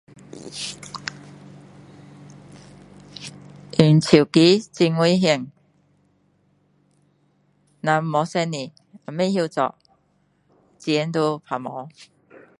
用手机很危险那不小心不会做钱就不见